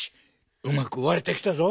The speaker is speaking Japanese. うまくわれてきたぞ。